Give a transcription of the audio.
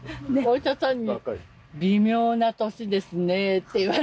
お医者さんに「微妙な年ですね」って言われて。